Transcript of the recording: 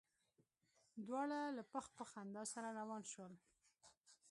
دواړه له پخ پخ خندا سره روان شول.